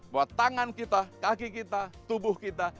buat tangan kita kaki kita tubuh kita